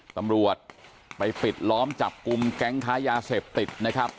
ตำรวจไปปิดล้อมจับกลุ่มแก๊งค้ายาเสพติดนะครับ